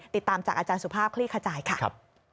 ติดตามจากอาจารย์สุภาพคลี่ขจายค่ะ